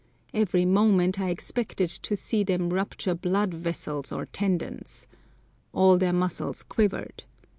Every moment I expected to see them rupture blood vessels or tendons. All their muscles quivered.